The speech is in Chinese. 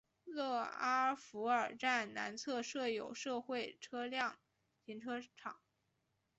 勒阿弗尔站南侧设有社会车辆停车场。